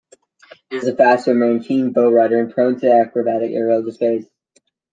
It is a fast swimmer and keen bow-rider, and prone to acrobatic aerial displays.